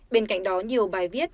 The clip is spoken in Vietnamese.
bên cạnh đó nhiều bài viết